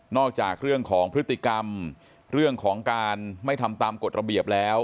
จากเรื่องของพฤติกรรมเรื่องของการไม่ทำตามกฎระเบียบแล้ว